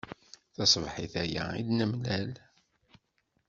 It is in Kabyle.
Taṣebḥit aya i d-nemlal.